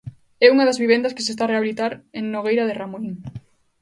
É unha das vivendas que se está a rehabilitar en Nogueira de Ramuín.